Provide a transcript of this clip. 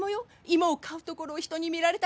芋を買うところを人に見られたくない